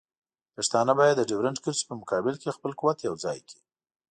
پښتانه باید د ډیورنډ کرښې په مقابل کې خپل قوت یوځای کړي.